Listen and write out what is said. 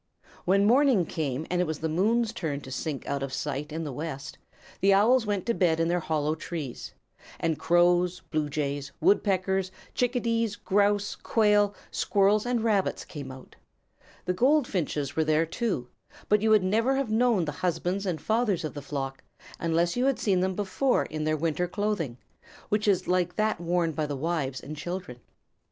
When morning came and it was the moon's turn to sink out of sight in the west, the Owls went to bed in their hollow trees, and Crows, Blue Jays, Woodpeckers, Chickadees, Grouse, Quail, Squirrels, and Rabbits came out. The Goldfinches were there too, but you would never have known the husbands and fathers of the flock, unless you had seen them before in their winter clothing, which is like that worn by the wives and children.